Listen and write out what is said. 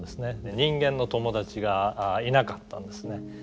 人間の友達がいなかったんですね。